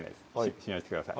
信用してください